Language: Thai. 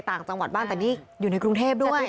ต่างจังหวัดบ้างแต่นี่อยู่ในกรุงเทพด้วย